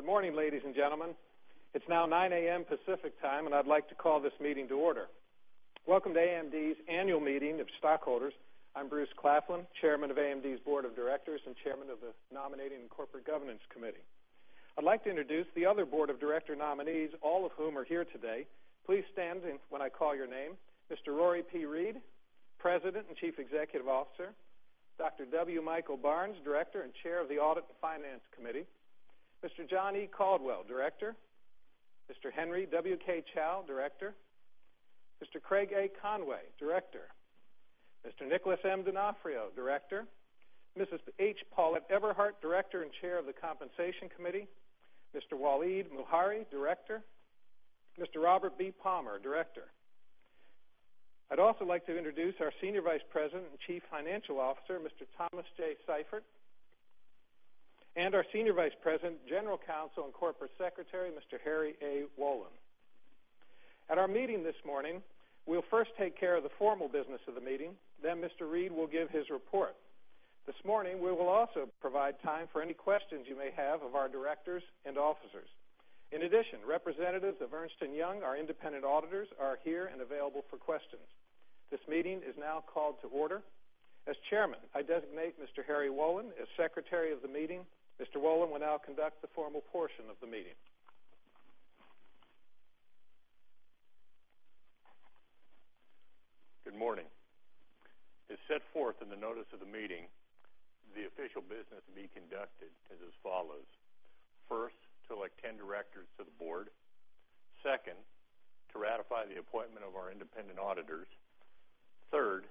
Good morning, ladies and gentlemen. It's now 9:00 A.M. Pacific Time, and I'd like to call this meeting to order. Welcome to AMD's annual meeting of stockholders. I'm Bruce L. Claflin, Chairman of AMD's Board of Directors and Chairman of the Nominating Corporate Governance Committee. I'd like to introduce the other Board of Director nominees, all of whom are here today. Please stand when I call your name. Mr. Rory P. Read, President and Chief Executive Officer. Dr. W. Michael Barnes, Director and Chair of the Audit and Finance Committee. Mr. John E. Caldwell, Director. Mr. Henry W.K. Chow, Director. Mr. Craig A. Conway, Director. Mr. Nicholas M. D'Onofrio, Director. Mrs. H. Paulett Eberhart, Director and Chair of the Compensation Committee. Mr. Waleed Muhairi Director. Mr. Robert B. Palmer, Director. I'd also like to introduce our Senior Vice President and Chief Financial Officer, Mr. Thomas J.Seifert, and our Senior Vice President, General Counsel and Corporate Secretary, Mr. Harry A. Wolin. At our meeting this morning, we'll first take care of the formal business of the meeting. Mr. Read will give his report. This morning, we will also provide time for any questions you may have of our directors and officers. In addition, representatives of Ernst & Young, our independent auditors, are here and available for questions. This meeting is now called to order. As Chairman, I designate Mr. Harry A. Wolin as Secretary of the Meeting. Mr. Wolin will now conduct the formal portion of the meeting. Good morning. As set forth in the notice of the meeting, the official business to be conducted is as follows: first, to elect 10 directors to the Board; second, to ratify the appointment of our independent auditors; third,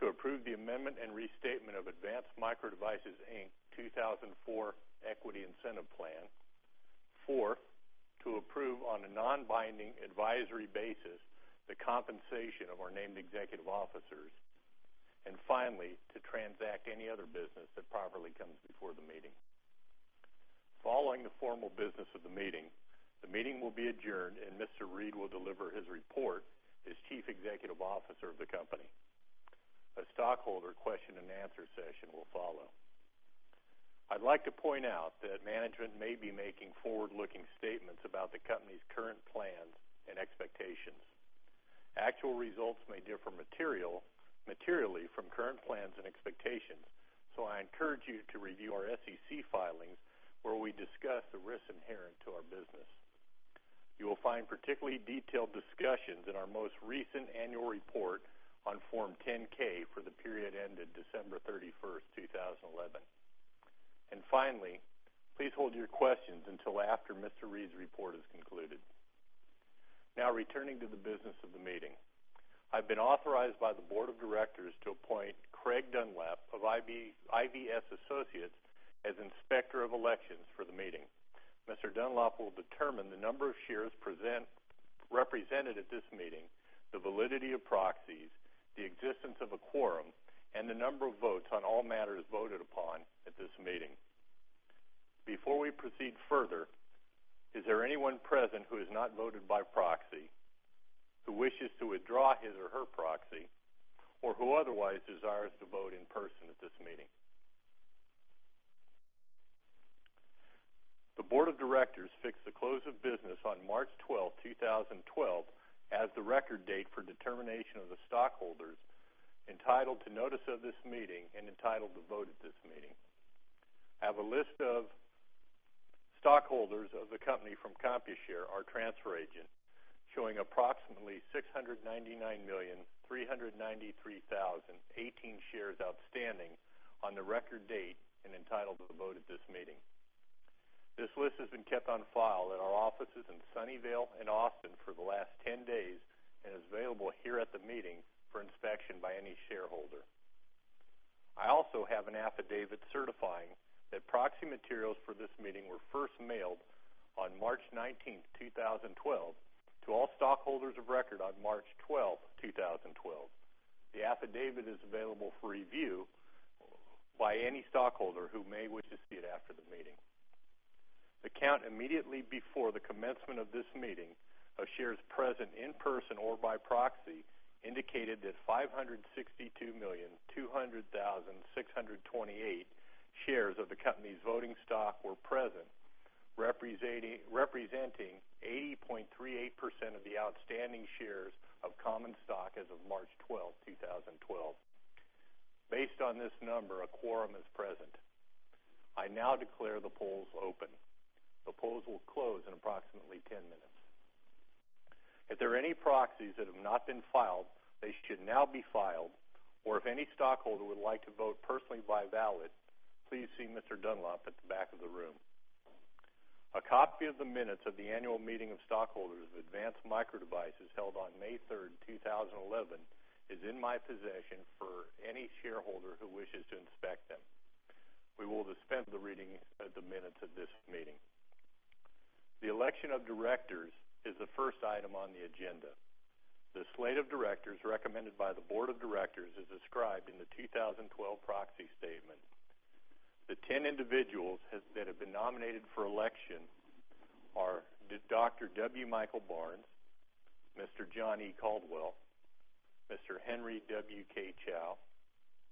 to approve the amendment and restatement of Advanced Micro Devices, Inc. 2004 Equity Incentive Plan; fourth, to approve on a non-binding advisory basis the compensation of our named executive officers; and finally, to transact any other business that properly comes before the meeting. Following the formal business of the meeting, the meeting will be adjourned, and Mr. Read will deliver his report as Chief Executive Officer of the company. A stockholder question and answer session will follow. I'd like to point out that management may be making forward-looking statements about the company's current plans and expectations. Actual results may differ materially from current plans and expectations, so I encourage you to review our SEC filings where we discuss the risks inherent to our business. You will find particularly detailed discussions in our most recent annual report on Form 10-K for the period ended December 31, 2011. Finally, please hold your questions until after Mr. Read's report is concluded. Now, returning to the business of the meeting, I've been authorized by the Board of Directors to appoint Craig Dunlap of IVS Associates as Inspector of Elections for the meeting. Mr. Dunlap will determine the number of shares represented at this meeting, the validity of proxies, the existence of a quorum, and the number of votes on all matters voted upon at this meeting. Before we proceed further, is there anyone present who has not voted by proxy, who wishes to withdraw his or her proxy, or who otherwise desires to vote in person at this meeting? The Board of Directors fixed the close of business on March 12, 2012, as the record date for determination of the stockholders entitled to notice of this meeting and entitled to vote at this meeting. I have a list of stockholders of the company from Computershare, our transfer agent, showing approximately 699,393,018 shares outstanding on the record date and entitled to vote at this meeting. This list has been kept on file in our offices in Sunnyvale and Austin for the last 10 days and is available here at the meeting for inspection by any shareholder. I also have an affidavit certifying that proxy materials for this meeting were first mailed on March 19, 2012, to all stockholders of record on March 12, 2012. The affidavit is available for review by any stockholder who may wish to see it after the meeting. The count immediately before the commencement of this meeting of shares present in person or by proxy indicated that 562,200,628 shares of the company's voting stock were present, representing 80.38% of the outstanding shares of common stock as of March 12, 2012. Based on this number, a quorum is present. I now declare the polls open. The polls will close in approximately 10 minutes. If there are any proxies that have not been filed, they should now be filed, or if any stockholder would like to vote personally by ballot, please see Mr. Dunlap at the back of the room. A copy of the minutes of the annual meeting of stockholders of Advanced Micro Devices held on May 3, 2011, is in my possession for any stockholder who wishes to inspect them. We will dispense with the reading of the minutes at this meeting. The election of directors is the first item on the agenda. The slate of directors recommended by the Board of Directors is as described in the 2012 proxy statement. The 10 individuals that have been nominated for election are Dr. W. Michael Barnes, Mr. John E. Caldwell, Mr. Henry W. K. Chow,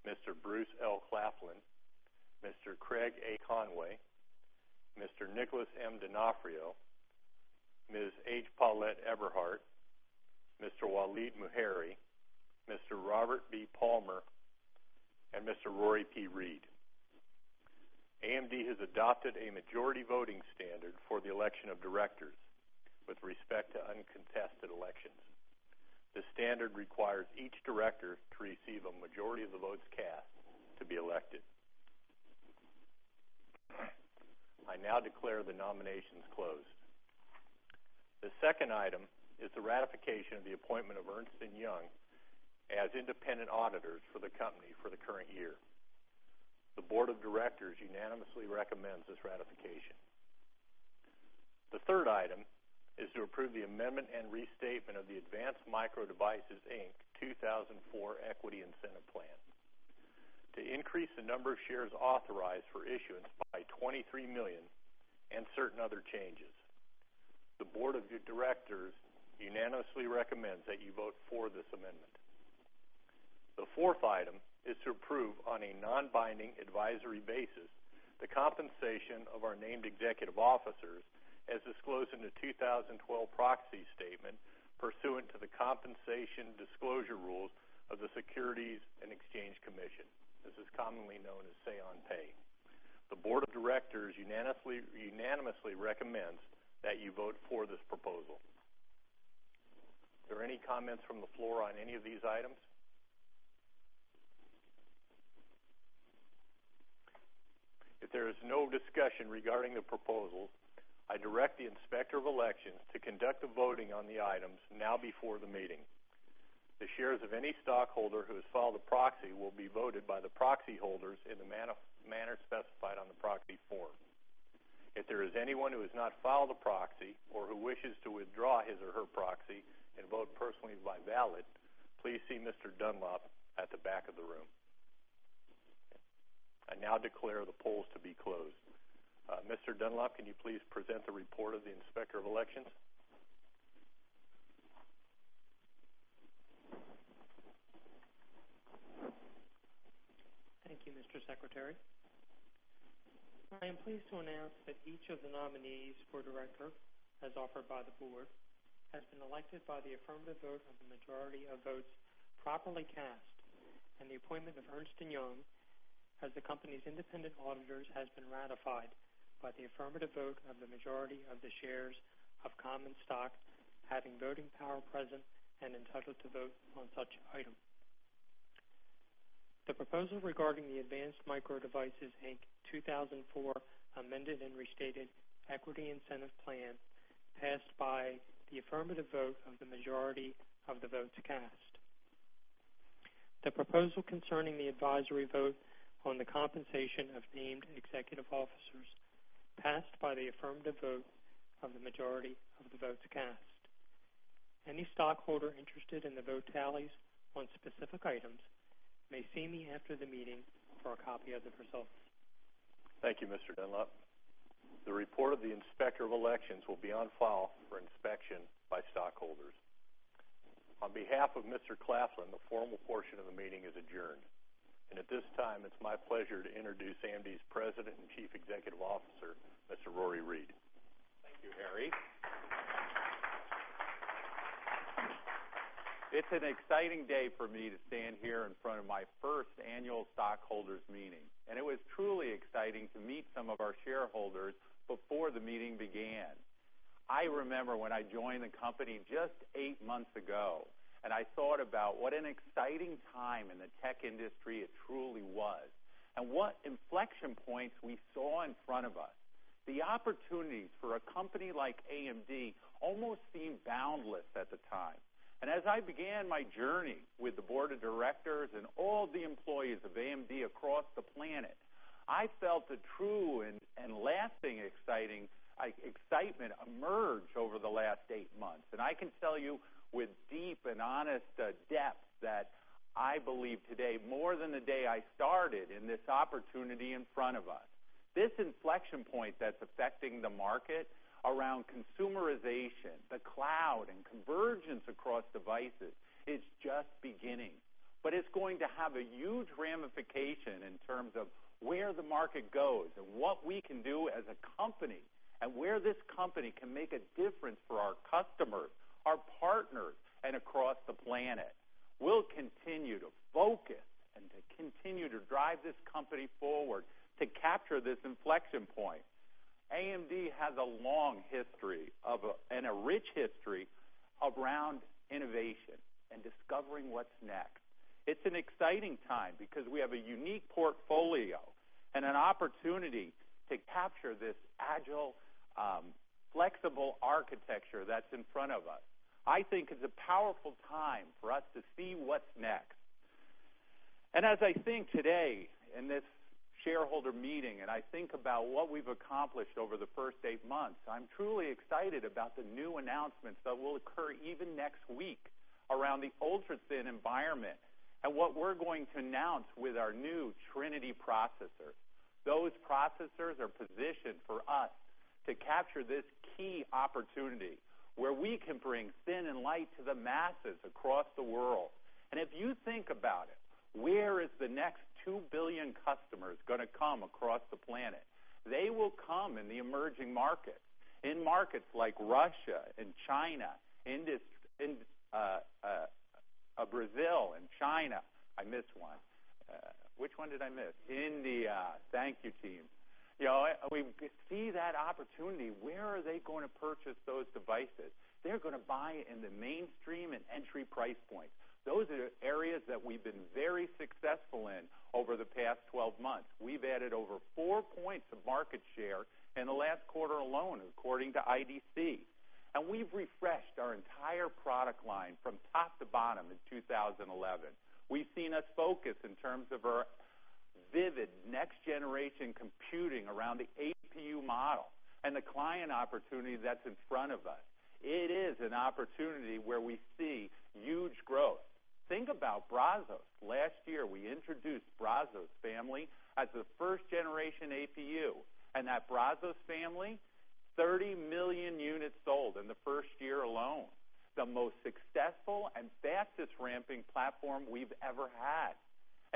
Mr. Bruce L. Claflin, Mr. Craig A. Conway, Mr. Nicholas M. D'Onofrio, Ms. H. Paulette Eberhart, Mr. Waleed Muhairi, Mr. Robert B. Palmer, and Mr. Rory P. Read. AMD has adopted a majority voting standard for the election of directors with respect to uncontested elections. The standard requires each director to receive a majority of the votes cast to be elected. I now declare the nominations closed. The second item is the ratification of the appointment of Ernst & Young as independent auditors for the company for the current year. The Board of Directors unanimously recommends this ratification. The third item is to approve the amendment and restatement of the Advanced Micro Devices, Inc. 2004 Equity Incentive Plan to increase the number of shares authorized for issuance by 23 million and certain other changes. The Board of Directors unanimously recommends that you vote for this amendment. The fourth item is to approve on a non-binding advisory basis the compensation of our named executive officers as disclosed in the 2012 proxy statement pursuant to the compensation disclosure rules of the Securities and Exchange Commission, as is commonly known as Say-on-Pay. The Board of Directors unanimously recommends that you vote for this proposal. Are there any comments from the floor on any of these items? If there is no discussion regarding the proposals, I direct the Inspector of Elections to conduct the voting on the items now before the meeting. The shares of any stockholder who has filed a proxy will be voted by the proxy holders in the manner specified on the proxy form. If there is anyone who has not filed a proxy or who wishes to withdraw his or her proxy and vote personally by ballot, please see Mr. Dunlap at the back of the room. I now declare the polls to be closed. Mr. Dunlap, can you please present the report of the Inspector of Elections? Thank you, Mr. Secretary. I am pleased to announce that each of the nominees for director, as offered by the Board, has been elected by the affirmative vote of the majority of votes properly cast, and the appointment of Ernst & Young as the company's independent auditors has been ratified by the affirmative vote of the majority of the shares of common stock, having voting power present and entitled to vote on such item. The proposal regarding the Advanced Micro Devices, Inc. 2004 Equity Incentive Plan passed by the affirmative vote of the majority of the votes cast. The proposal concerning the advisory vote on the compensation of named executive officers passed by the affirmative vote of the majority of the votes cast. Any stockholder interested in the vote tallies on specific items may see me after the meeting for a copy of the results. Thank you, Mr. Dunlap. The report of the Inspector of Elections will be on file for inspection by stockholders. On behalf of Mr. Claflin, the formal portion of the meeting is adjourned. At this time, it's my pleasure to introduce AMD's President and Chief Executive Officer, Mr. Rory Read. Thank you, Harry. It's an exciting day for me to stand here in front of my first annual stockholders' meeting, and it was truly exciting to meet some of our shareholders before the meeting began. I remember when I joined the company just eight months ago, and I thought about what an exciting time in the tech industry it truly was and what inflection points we saw in front of us. The opportunities for a company like AMD almost seemed boundless at the time. As I began my journey with the Board of Directors and all the employees of AMD across the planet, I felt a true and lasting excitement emerge over the last eight months. I can tell you with deep and honest depth that I believe today more than the day I started in this opportunity in front of us. This inflection point that's affecting the market around consumerization, the cloud, and convergence across devices is just beginning. It's going to have a huge ramification in terms of where the market goes and what we can do as a company and where this company can make a difference for our customers, our partners, and across the planet. We'll continue to focus and to continue to drive this company forward to capture this inflection point. AMD has a long history and a rich history around innovation and discovering what's next. It's an exciting time because we have a unique portfolio and an opportunity to capture this agile, flexible architecture that's in front of us. I think it's a powerful time for us to see what's next. As I think today in this shareholder meeting and I think about what we've accomplished over the first eight months, I'm truly excited about the new announcements that will occur even next week around the ultra-thin environment and what we're going to announce with our new Trinity processors. Those processors are positioned for us to capture this key opportunity where we can bring thin and light to the masses across the world. If you think about it, where is the next 2 billion customers going to come across the planet? They will come in the emerging markets, in markets like Russia and China, Brazil, and China. I missed one. Which one did I miss? India. Thank you, team. We see that opportunity. Where are they going to purchase those devices? They're going to buy it in the mainstream and entry price points. Those are areas that we've been very successful in over the past 12 months. We've added over four points of market share in the last quarter alone, according to IDC. We've refreshed our entire product line from top to bottom in 2011. We've seen us focus in terms of our vivid next-generation computing around the APU model and the client opportunity that's in front of us. It is an opportunity where we see huge growth. Think about Brazos. Last year, we introduced Brazos Family as the first-generation APU. That Brazos Family, 30 million units sold in the first year alone. The most successful and fastest ramping platform we've ever had.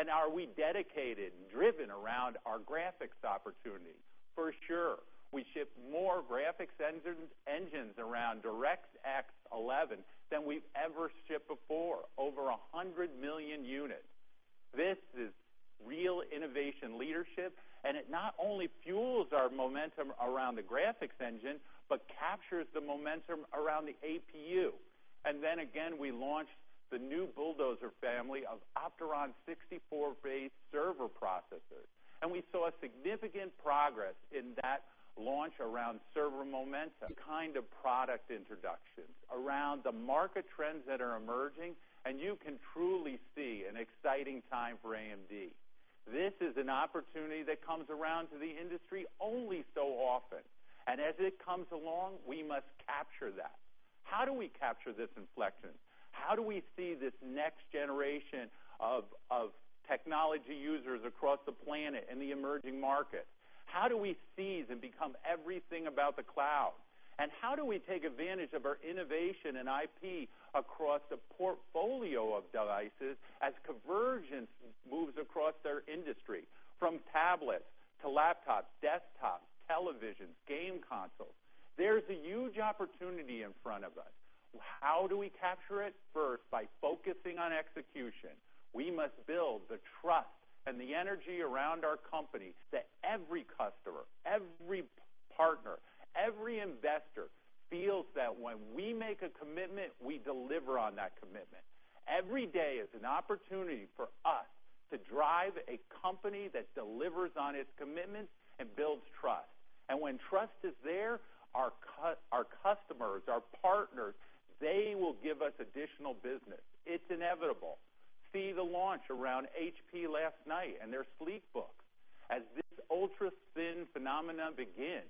Are we dedicated and driven around our graphics opportunity? For sure. We ship more graphics engines around DirectX 11 than we've ever shipped before, over 100 million units. This is real innovation leadership, and it not only fuels our momentum around the graphics engine but captures the momentum around the APU. We launched the new Bulldozer family of Opteron 64-based server processors. We saw significant progress in that launch around server momentum. Product introductions around the market trends that are emerging, and you can truly see an exciting time for AMD. This is an opportunity that comes around to the industry only so often. As it comes along, we must capture that. How do we capture this inflection? How do we see this next generation of technology users across the planet and the emerging markets? How do we seize and become everything about the cloud? How do we take advantage of our innovation and IP across the portfolio of devices as convergence moves across our industry from tablets to laptops, desktops, televisions, game consoles? There's a huge opportunity in front of us. How do we capture it? First, by focusing on execution. We must build the trust and the energy around our company that every customer, every partner, every investor feels that when we make a commitment, we deliver on that commitment. Every day is an opportunity for us to drive a company that delivers on its commitments and builds trust. When trust is there, our customers, our partners, they will give us additional business. It's inevitable. See the launch around HP last night and their Sleekbook. As this ultra-thin phenomenon begins,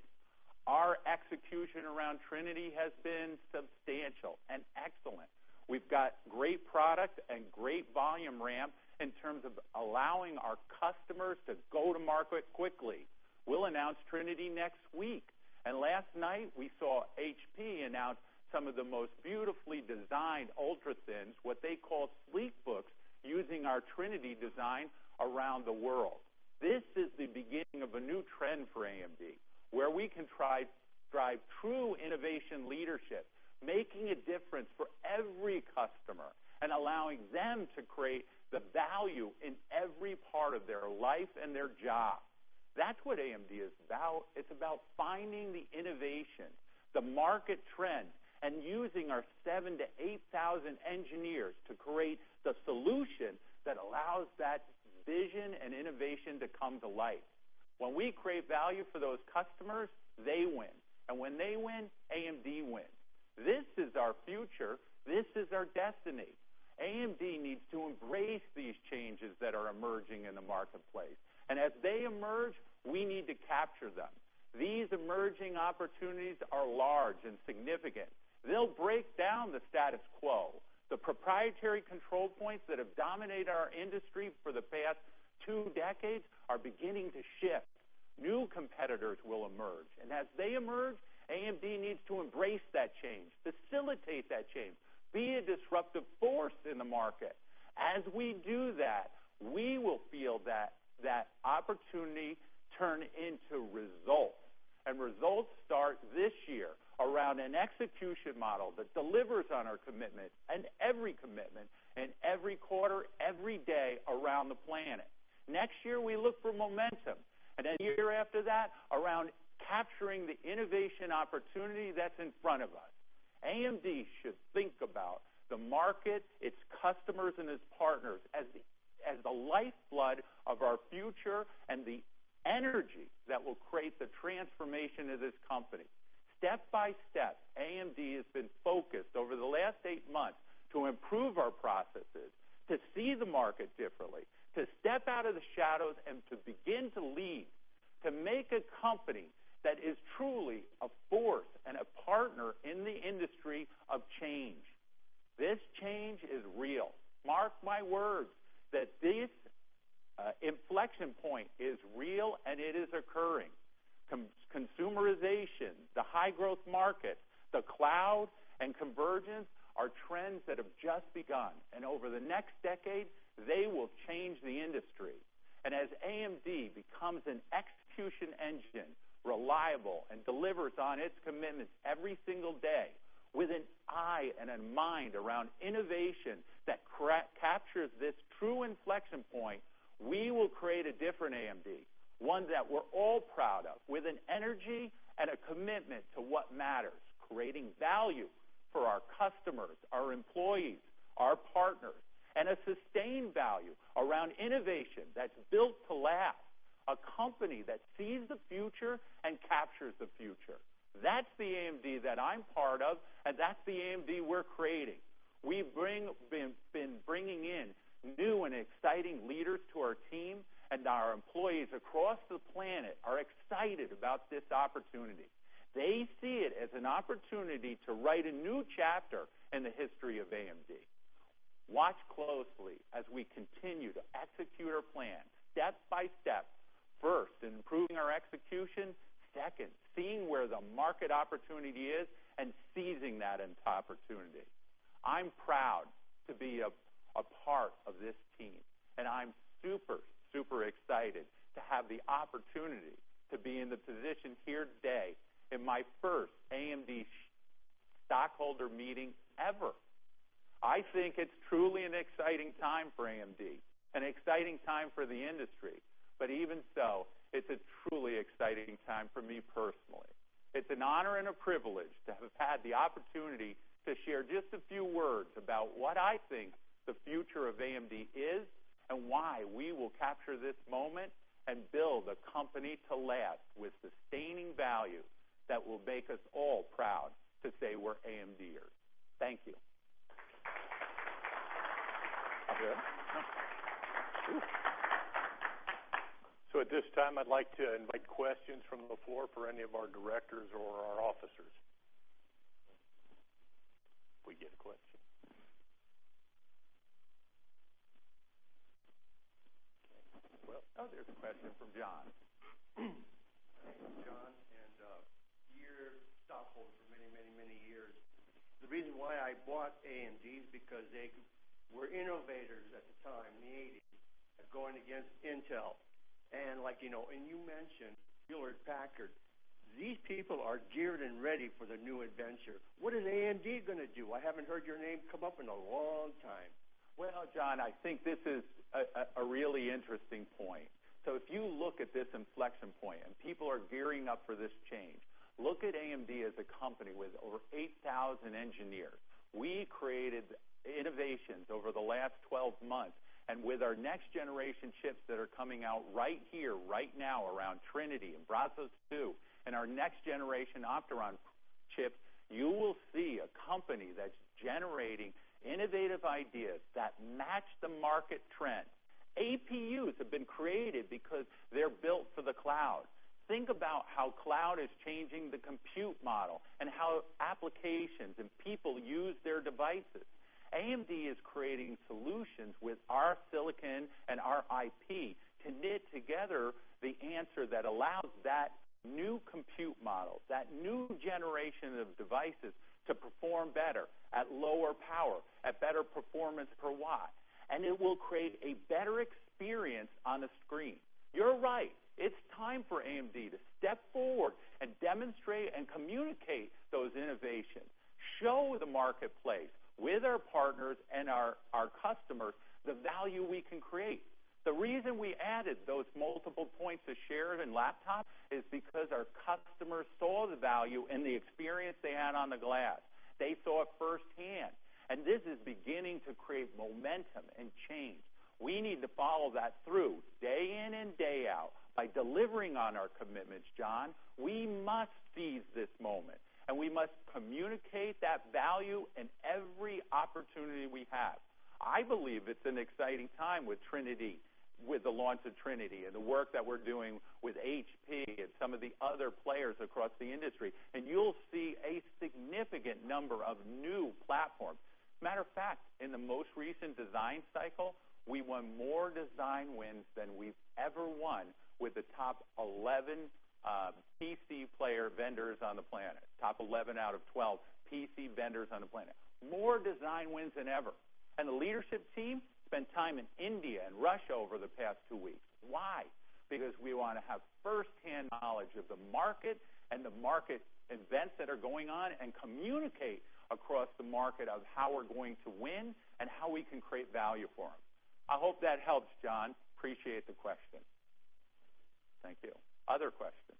our execution around Trinity has been substantial and excellent. We've got great product and great volume ramp in terms of allowing our customers to go-to-market quickly. We'll announce Trinity next week. Last night, we saw HP announce some of the most beautifully designed ultra-thins, what they call Sleekbooks, using our Trinity design around the world. This is the beginning of a new trend for AMD where we can drive true innovation leadership, making a difference for every customer and allowing them to create the value in every part of their life and their job. That's what AMD is about. It's about finding the innovation, the market trends, and using our 7,000-8,000 engineers to create the solution that allows that vision and innovation to come to light. When we create value for those customers, they win. When they win, AMD wins. This is our future. This is our destiny. AMD needs to embrace these changes that are emerging in the marketplace. As they emerge, we need to capture them. These emerging opportunities are large and significant. They will break down the status quo. The proprietary control points that have dominated our industry for the past two decades are beginning to shift. New competitors will emerge. As they emerge, AMD needs to embrace that change, facilitate that change, be a disruptive force in the market. As we do that, we will feel that that opportunity turn into results. Results start this year around an execution model that delivers on our commitment and every commitment and every quarter, every day around the planet. Next year, we look for momentum. The year after that, around capturing the innovation opportunity that's in front of us. AMD should think about the market, its customers, and its partners as the lifeblood of our future and the energy that will create the transformation of this company. Step by step, AMD has been focused over the last eight months to improve our processes, to see the market differently, to step out of the shadows, and to begin to lead, to make a company that is truly a force and a partner in the industry of change. This change is real. Mark my words that this inflection point is real and it is occurring. Consumerization, the high-growth markets, the cloud, and convergence are trends that have just begun. Over the next decade, they will change the industry. As AMD becomes an execution engine, reliable, and delivers on its commitments every single day with an eye and a mind around innovation that captures this true inflection point, we will create a different AMD, one that we're all proud of, with an energy and a commitment to what matters, creating value for our customers, our employees, our partners, and a sustained value around innovation that's built to last, a company that sees the future and captures the future. That's the AMD that I'm part of, and that's the AMD we're creating. We've been bringing in new and exciting leaders to our team, and our employees across the planet are excited about this opportunity. They see it as an opportunity to write a new chapter in the history of AMD. Watch closely as we continue to execute our plan step by step. First, in improving our execution. Second, seeing where the market opportunity is and seizing that opportunity. I'm proud to be a part of this team. I'm super, super excited to have the opportunity to be in the position here today in my first AMD stockholder meeting ever. I think it's truly an exciting time for AMD, an exciting time for the industry. It's a truly exciting time for me personally. It's an honor and a privilege to have had the opportunity to share just a few words about what I think the future of AMD is and why we will capture this moment and build a company to last with sustaining value that will make us all proud to say we're AMD-ered. Thank you. At this time, I'd like to invite questions from the floor for any of our directors or our officers. We get a question. Oh, there's a question from John. Thanks. John. You're a stockholder for many, many, many years. The reason why I bought AMD is because they were innovators at the time in the '80s going against Intel. You mentioned Hewlett Packard. These people are geared and ready for the new adventure. What is AMD going to do? I haven't heard your name come up in a long time. John, I think this is a really interesting point. If you look at this inflection point and people are gearing up for this change, look at AMD as a company with over 8,000 engineers. We created innovations over the last 12 months. With our next-generation chips that are coming out right here, right now around Trinity and Brazos APU and our next-generation Opteron chips, you will see a company that's generating innovative ideas that match the market trend. APUs have been created because they're built for the cloud. Think about how cloud is changing the compute model and how applications and people use their devices. AMD is creating solutions with our silicon and our IP to knit together the answer that allows that new compute model, that new generation of devices to perform better at lower power, at better performance per watt. It will create a better experience on the screen. You're right. It's time for AMD to step forward and demonstrate and communicate those innovations, show the marketplace with our partners and our customers the value we can create. The reason we added those multiple points of shares in laptops is because our customers saw the value and the experience they had on the glass. They saw it firsthand. This is beginning to create momentum and change. We need to follow that through day-in and day-out by delivering on our commitments, John. We must seize this moment. We must communicate that value in every opportunity we have. I believe it's an exciting time with Trinity, with the launch of Trinity and the work that we're doing with HP and some of the other players across the industry. You'll see a significant number of new platforms. Matter of fact, in the most recent design cycle, we won more design wins than we've ever won with the top 11 PC player vendors on the planet, top 11 out of 12 PC vendors on the planet. More design wins than ever. The leadership teams spent time in India and Russia over the past two weeks. Why? Because we want to have firsthand knowledge of the market and the market events that are going on and communicate across the market how we're going to win and how we can create value for them. I hope that helps, John. Appreciate the question. Thank you. Other questions?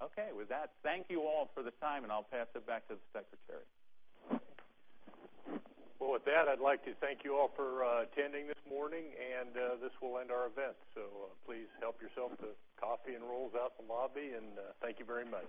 OK, with that, thank you all for the time. I'll pass it back to the Secretary. Thank you all for attending this morning. This will end our event. Please help yourself to the coffee and rolls out in the lobby. Thank you very much.